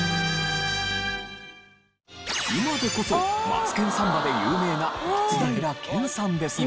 今でこそ『マツケンサンバ』で有名な松平健さんですが。